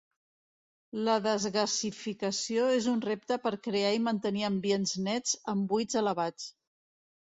La desgassificació és un repte per crear i mantenir ambients nets amb buits elevats.